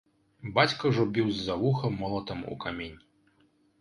Бацька ўжо біў з-за вуха молатам у камень.